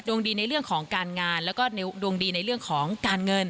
ดีในเรื่องของการงานแล้วก็ดวงดีในเรื่องของการเงิน